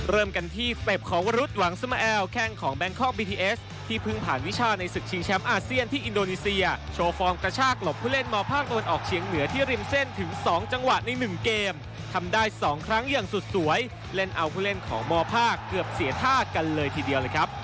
เริ่มกันที่สเต็ปของวรุษหวังสมแอลแข้งของแบงคอกบีทีเอสที่เพิ่งผ่านวิชาในศึกชิงแชมป์อาเซียนที่อินโดนีเซียโชว์ฟอร์มกระชากหลบผู้เล่นมภาคตะวันออกเฉียงเหนือที่ริมเส้นถึง๒จังหวะใน๑เกมทำได้๒ครั้งอย่างสุดสวยเล่นเอาผู้เล่นของมภาคเกือบเสียท่ากันเลยทีเดียวเลยครับ